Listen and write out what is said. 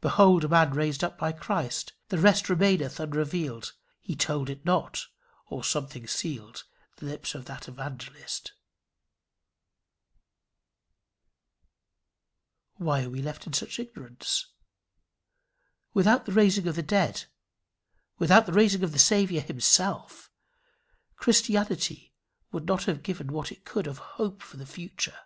Behold a man raised up by Christ! The rest remaineth unrevealed; He told it not; or something sealed The lips of that Evangelist. Why are we left in such ignorance? Without the raising of the dead, without the rising of the Saviour himself, Christianity would not have given what it could of hope for the future.